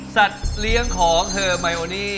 สัตว์เลี้ยงของเฮอร์ไมโอนี่